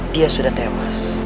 dia sudah tewas